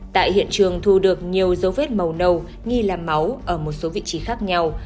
tại hiện trường thu được nhiều dấu vết màu nâu nghi là máu ở một số vị trí khác nhau